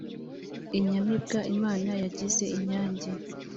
inyamibwa imana yagize inyange